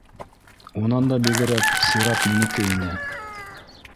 Унан да бигерәк, сират минеке ине